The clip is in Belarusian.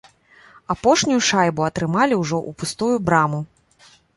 Апошнюю шайбу атрымалі ўжо ў пустую браму.